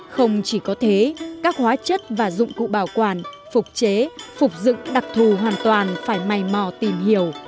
không chỉ có thế các hóa chất và dụng cụ bảo quản phục chế phục dựng đặc thù hoàn toàn phải mày mò tìm hiểu